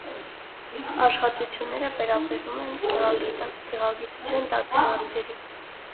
Աշխատությունները վերաբերում են գեղագիտության տարբեր հարցերի։